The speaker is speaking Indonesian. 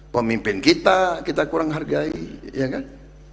pemimpin kita kita kurang menghargai